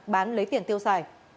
bán lấy tiền tiêu xài